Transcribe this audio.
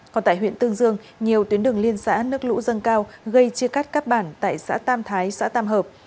còn tại huyện tương dương nhiều tuyến đường liên xã nước lũ dâng cao gây chia cắt các bản tại xã tam thái xã tam hợp